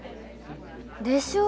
でしょ？